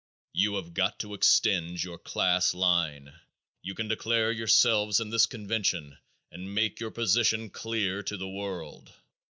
You have got to extend your class line. You can declare yourselves in this convention and make your position clear to the world.